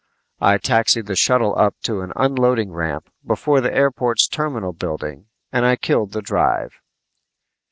I taxied the shuttle up to an unloading ramp before the airport's terminal building and I killed the drive.